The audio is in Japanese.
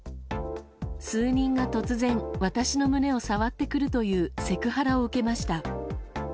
数人が突然私の胸を触ってくるというセクハラを受けました。